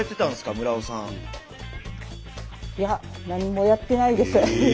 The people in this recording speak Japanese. いや何もやってないです。